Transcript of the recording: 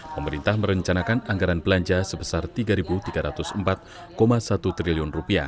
pemerintah merencanakan anggaran belanja sebesar rp tiga tiga ratus empat satu triliun